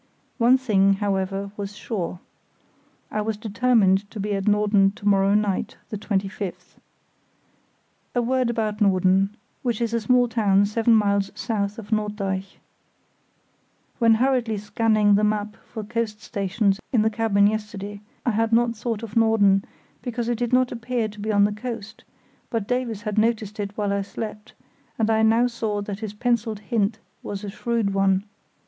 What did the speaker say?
One thing, however, was sure. I was determined to be at Norden to morrow night, the 25th. A word about Norden, which is a small town seven miles south of Norddeich. When hurriedly scanning the map for coast stations in the cabin yesterday, I had not thought of Norden, because it did not appear to be on the coast, but Davies had noticed it while I slept, and I now saw that his pencilled hint was a shrewd one.